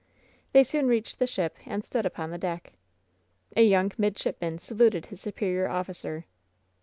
They soon reached the ship and stood upon the deck. A young midshipman saluted his superior officer.